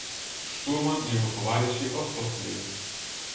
Штурман і його товариші остовпіли.